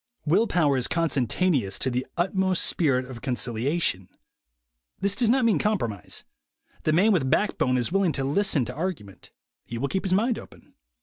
Will power is consentaneous to the utmost spirit of concilia tion. This does not mean compromise. The man with backbone is willing to listen to argument ; he will keep his mind open.